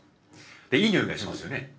でいい匂いがしますよね。